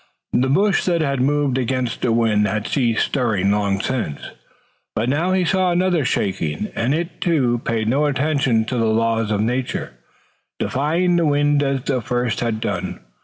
The bush that had moved against the wind had ceased stirring long since, but now he saw another shaking and it, too, paid no attention to the laws of nature, defying the wind as the first had done.